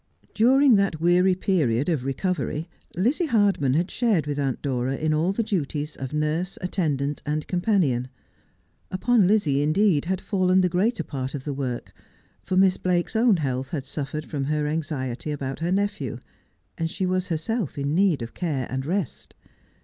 During that weary period of recovery, Lizzie Hardman had shared with Aunt Dora in all the duties of nurse, attendant, and companion. Upon Lizzie, indeed, had fallen the great er part of the work, for Miss Blake's own health had suffered from her anxiety about her nephew, and she was herself in need of care and rest.